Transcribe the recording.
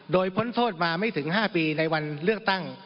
โดยพ้นโทษมาไม่ถึง๕ปีในวันเลือกตั้ง